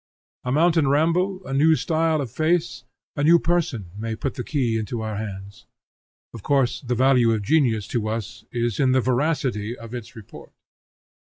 A mountain ramble, a new style of face, a new person, may put the key into our hands. Of course the value of genius to us is in the veracity of its report.